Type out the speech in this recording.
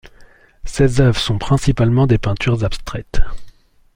Ses œuvres sont principalement des peintures abstraites.